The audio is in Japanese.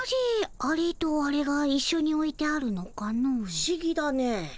ふしぎだねえ。